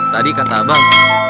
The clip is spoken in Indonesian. tadi kata abang